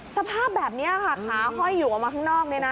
สภาพแบบนี้ค่ะขาห้อยอยู่ออกมาข้างนอกเนี่ยนะ